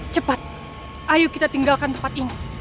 cepat ayo kita tinggalkan tempat ini